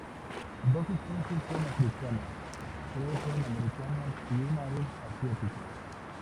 Dos especies son africanas, tres son americanas y una es asiática.